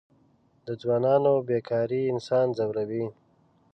د ځوانانو بېکاري انسان ځوروي.